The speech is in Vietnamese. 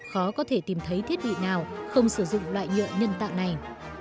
khó có thể tìm thấy thiết bị nào không sử dụng loại nhựa nhân tạo này